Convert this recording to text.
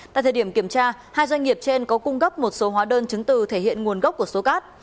tại thời điểm kiểm tra hai doanh nghiệp trên có cung cấp một số hóa đơn chứng từ thể hiện nguồn gốc của số cát